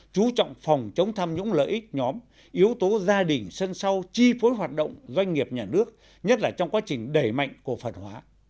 chú trọng phòng chống tham nhũng lợi ích nhóm yếu tố gia đình sân sau chi phối hoạt động doanh nghiệp nhà nước nhất là trong quá trình đẩy mạnh cổ phần hóa